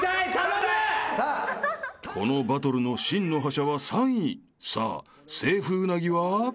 ［このバトルの真の覇者は３位さあセーフうなぎは？］